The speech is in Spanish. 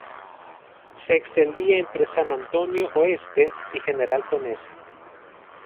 Se extendía entre San Antonio Oeste y General Conesa.